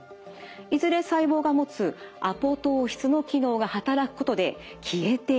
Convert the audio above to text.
いずれ細胞が持つアポトーシスの機能が働くことで消えていきます。